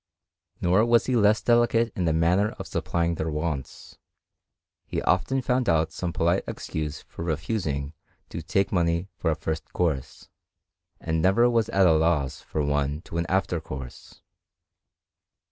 Nor was he less delicate in the manner of supplying their wants : he often found out some polite excuse for refusing to take money for a first course, and never was at a loss for one to an after course.